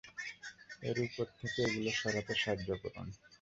ওর উপর থেকে এগুলো সরাতে সাহায্য করুন!